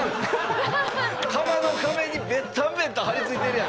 窯の壁にベタベタ張り付いてるやん。